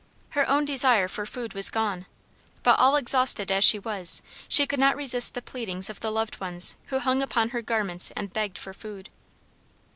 Her own desire for food was gone, but all exhausted as she was she could not resist the pleadings of the loved ones who hung upon her garments and begged for food.